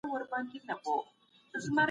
کاڼی مي د چا په لاس کي وليدی